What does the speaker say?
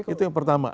itu yang pertama